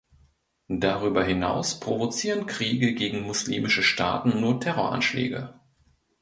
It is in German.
Darüber hinaus provozieren Kriege gegen muslimische Staaten nur Terroranschläge.